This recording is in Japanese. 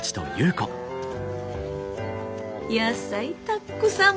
野菜たっくさん